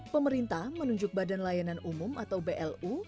pemerintah menunjuk badan layanan umum atau blu